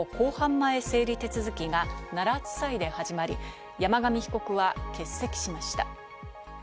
前整理手続きが奈良地裁で始まり、山上被告は欠席しました。